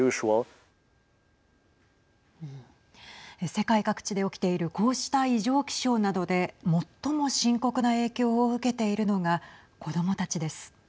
世界各地で起きているこうした異常気象などで最も深刻な影響を受けているのが子どもたちです。